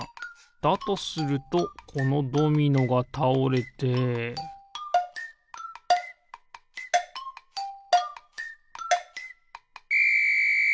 だとするとこのドミノがたおれてピッ！